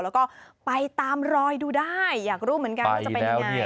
แล้วก็ไปตามรอยดูได้อยากรู้เหมือนกันว่าจะเป็นยังไง